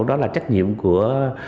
đó là trách nhiệm của